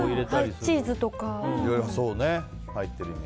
チーズとか。